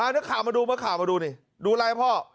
นี่ข่าวมาดูดูอะไรพ่อ